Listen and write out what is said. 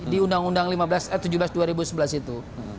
di undang undang tujuh belas dua ribu sebelas itu